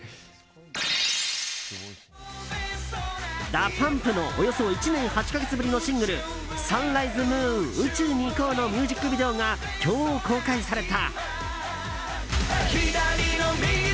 ＤＡＰＵＭＰのおよそ１年８か月ぶりのシングル「サンライズ・ムーン宇宙に行こう」のミュージックビデオが今日公開された。